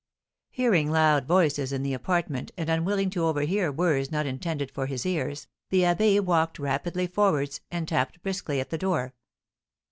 Hearing loud voices in the apartment, and unwilling to overhear words not intended for his ears, the abbé walked rapidly forwards, and tapped briskly at the door.